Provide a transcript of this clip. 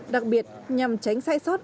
đặc biệt nhằm tránh sai sót